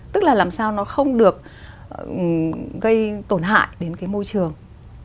tức là làm sao nó không được gây tổn hại đến cái môi trường